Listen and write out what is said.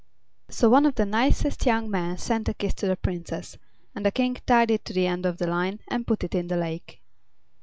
So one of the nicest young men sent a kiss to the Princess, and the King tied it to the end of the line and put it in the lake.